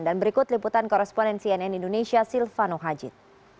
dan berikut liputan koresponen cnn indonesia silvano hajid